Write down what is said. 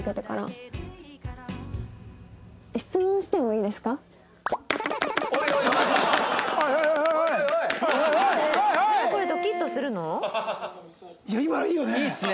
いや今のいいよね？